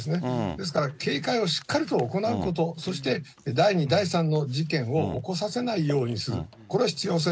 ですから警戒をしっかりと行うこと、そして第２、第３の事件を起こさせないようにする。